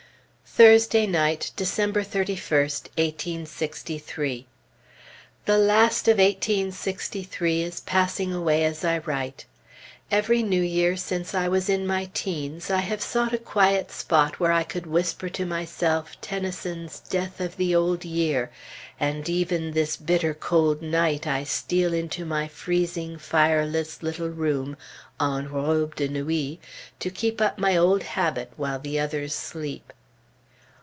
Thursday night, December 31st, 1863. The last of eighteen sixty three is passing away as I write.... Every New Year since I was in my teens, I have sought a quiet spot where I could whisper to myself Tennyson's "Death of the Old Year," and even this bitter cold night I steal into my freezing, fireless little room, en robe de nuit, to keep up my old habit while the others sleep....